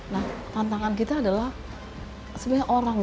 nah tantangan kita adalah sebenarnya orang